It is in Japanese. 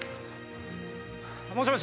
もしもし？